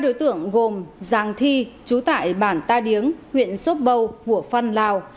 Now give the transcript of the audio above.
hai đối tượng gồm giàng thi chú tải bản ta điếng huyện sốt bầu vụ phan lào